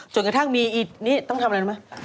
จนกระทั่งมีนี่ต้องทำอะไรรู้ไหม